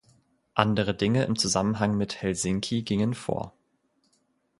Andere Dinge im Zusammenhang mit Helsinki gingen vor.